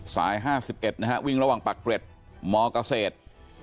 ๕๑นะฮะวิ่งระหว่างปักเกร็ดมเกษตร